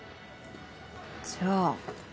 じゃあ。